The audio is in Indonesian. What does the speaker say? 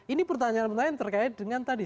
ini pertanyaan pertanyaan terkait dengan tadi